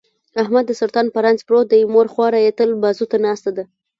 احمد د سرطان په رنځ پروت دی، مور خواره یې تل بازوته ناسته ده.